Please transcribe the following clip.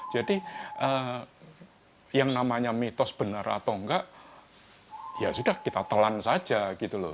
jadi yang namanya mitos benar atau enggak ya sudah kita telan saja gitu loh